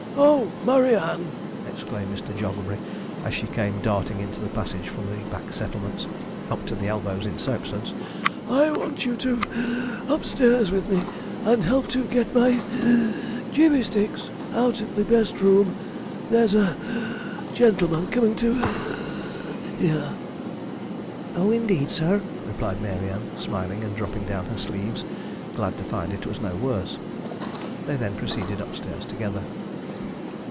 'Oh! Murry Ann!' exclaimed Mr. Jogglebury, as she came darting into the passage from the back settlements, up to the elbows in soap suds; 'I want you to (puff) upstairs with me, and help to get my (wheeze) gibbey sticks out of the best room; there's a (puff) gentleman coming to (wheeze) here.' 'Oh, indeed, sir,' replied Mary Ann, smiling, and dropping down her sleeves glad to find it was no worse. They then proceeded upstairs together.